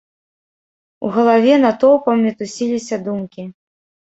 У галаве натоўпам мітусіліся думкі.